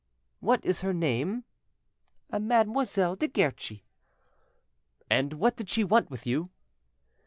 "What is her name?" "Mademoiselle de Guerchi." "And what did she want with you?"